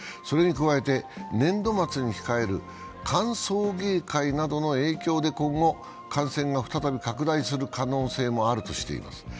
それに加えて、年度末に控える歓送迎会などの影響で今後、感染が再び拡大する可能性もあるとしています。